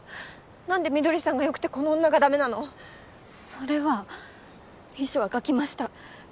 なんで翠さんが良くてこの女がダメなのそれは遺書は書きました。